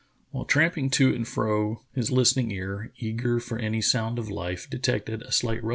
While tramping to and fro his Hstening ear, eager for any sound of hfe, detected a slight rusthng noise.